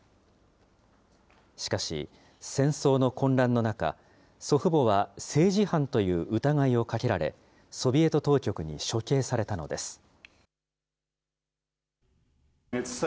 しかし、戦争の混乱の中、祖父母は政治犯という疑いをかけられ、ソビエト当局に処刑されたのです。